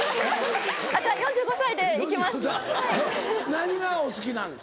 何がお好きなんです？